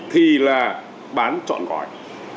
thì là bán trọn gọi